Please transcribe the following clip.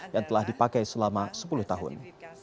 yang telah dipakai selama sepuluh tahun